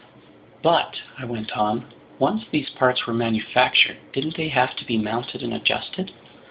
"But," I went on, "once these parts were manufactured, didn't they have to be mounted and adjusted?"